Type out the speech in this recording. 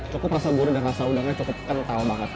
cukup rasa gurih dan rasa udangnya cukup kental banget